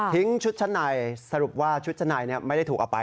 ชุดชั้นในสรุปว่าชุดชั้นในไม่ได้ถูกเอาไป